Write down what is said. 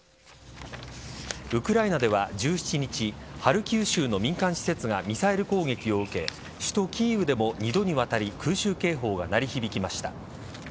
ウクライナでは１７日ハルキウ州の民間施設がミサイル攻撃を受け首都・キーウでも２度にわたり空襲警報が鳴り響きました。